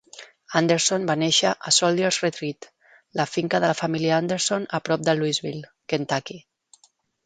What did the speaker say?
Anderson va néixer a "Soldier's Retreat", la finca de la família Anderson a prop de Louisville, Kentucky.